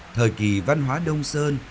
thời kỳ văn hóa đông sơn